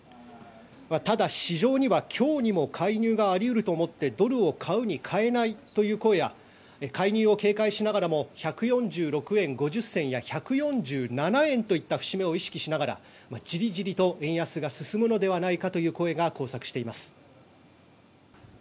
ただ、市場には今日にも介入があり得ると思ってドルを買うに買えないという声や介入を警戒しながらも１４６円５０銭や１４７円といった節目を意識しながらじりじりと円安が進むのではないかという声が交錯しています。